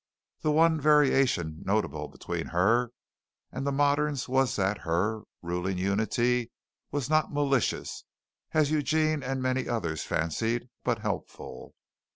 The one variation notable between her and the moderns was that her ruling unity was not malicious, as Eugene and many others fancied, but helpful.